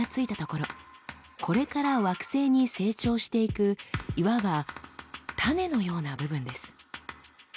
これから惑星に成長していくいわば種のような部分です。